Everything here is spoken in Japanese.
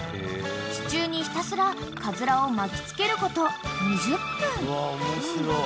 ［支柱にひたすらかずらを巻きつけること２０分］